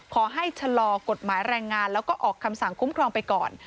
ชะลอกฎหมายแรงงานแล้วก็ออกคำสั่งคุ้มครองไปก่อน